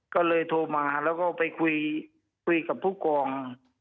ก็เลยโทรมาไปคุยกับผู้กรอง